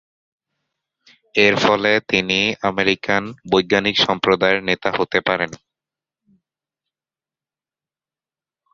এরফলে তিনি আমেরিকান বৈজ্ঞানিক সম্প্রদায়ের প্রধান নেতা হতে পারবেন।